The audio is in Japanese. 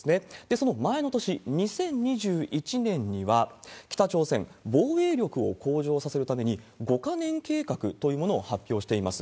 その前の年、２０２１年には北朝鮮、防衛力を向上させるために、５か年計画というものを発表しています。